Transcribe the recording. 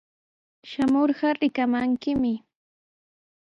Shamurqa rikamankimi.